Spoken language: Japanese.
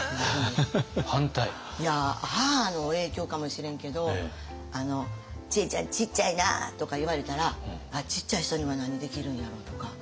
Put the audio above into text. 母の影響かもしれんけど「智恵ちゃんちっちゃいな」とか言われたら「ちっちゃい人には何できるんやろ？」とか。